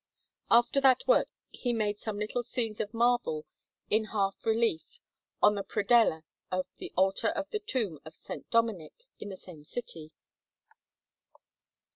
After that work he made some little scenes of marble in half relief on the predella of the altar at the tomb of S. Dominic, in the same city.